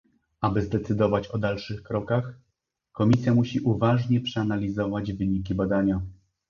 Aby zdecydować o dalszych krokach, Komisja musi uważnie przeanalizować wyniki badania